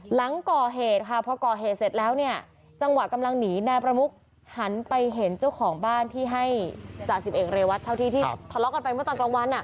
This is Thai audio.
หลังก่อเหตุค่ะพอก่อเหตุเสร็จแล้วเนี่ยจังหวะกำลังหนีนายประมุกหันไปเห็นเจ้าของบ้านที่ให้จ่าสิบเอกเรวัตเช่าที่ที่ทะเลาะกันไปเมื่อตอนกลางวัน